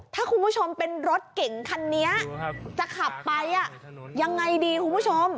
ถ้าคุณผู้ชมเป็นรถเก่งคันนี้จะขับไปยังไงดีคุณผู้ชม